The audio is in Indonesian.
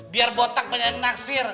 biar botak banyak naksir